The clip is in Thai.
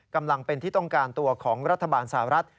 กำลังเป็นที่ต้องการตัวของรัฐบาลสหรัฐ